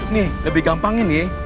nih lebih gampang ini